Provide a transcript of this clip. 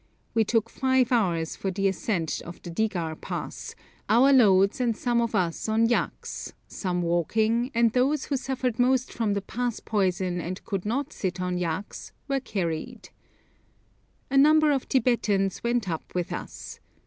We took five hours for the ascent of the Digar Pass, our loads and some of us on yaks, some walking, and those who suffered most from the 'pass poison' and could not sit on yaks were carried. A number of Tibetans went up with us.